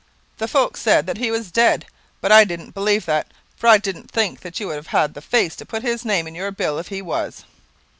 The folks said that he was dead, but I didn't believe that, for I didn't think that you would have had the face to put his name in your bill if he was."